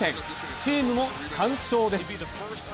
チームも快勝です。